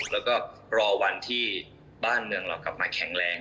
แล้วก็รอวันที่บ้านเมืองเรากลับมาแข็งแรง